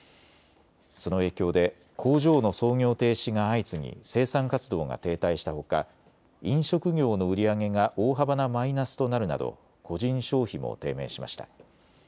その影響で工場の操業停止が相次ぎ生産活動が停滞したほか飲食業の売り上げが大幅なマイナスとなるなど個人消費も低迷しました。